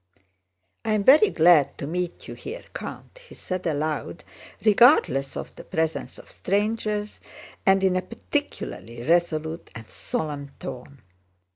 "I am very glad to meet you here, Count," he said aloud, regardless of the presence of strangers and in a particularly resolute and solemn tone.